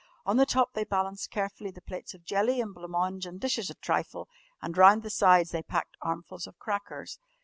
On the top they balanced carefully the plates of jelly and blanc mange and dishes of trifle, and round the sides they packed armfuls of crackers.